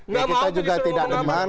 nggak mau aku disuruh ngomong apa